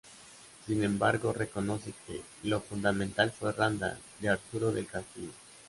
Sin embargo, reconoce que ""lo fundamental fue Randall, de Arturo del Castillo.